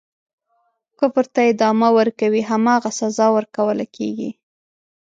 کفر ته ادامه ورکوي هماغه سزا ورکوله کیږي.